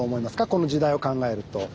この時代を考えると。